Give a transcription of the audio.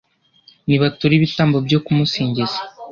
nibature ibitambo byo kumusingiza